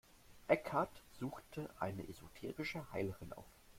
Eckhart suchte eine esoterische Heilerin auf.